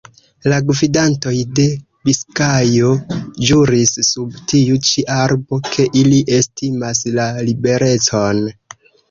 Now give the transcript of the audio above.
La gvidantoj de Biskajo ĵuris sub tiu ĉi arbo, ke ili estimas la liberecon.